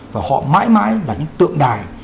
và họ mãi mãi là những tượng đài